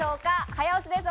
早押しです。